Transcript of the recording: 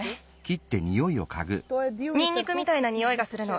ニンニクみたいなにおいがするの。